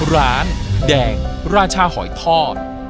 ร้านแดงราชาหอยทอด